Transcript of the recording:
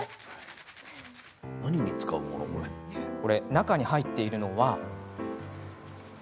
中に入っているのは。